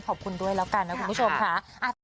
ขอบคุณด้วยแล้วกันนะสุดพบคุณเพื่อนคุณหญิง